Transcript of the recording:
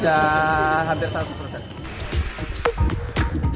udah hampir seratus persen